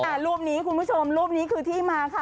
แต่รูปนี้คุณผู้ชมรูปนี้คือที่มาค่ะ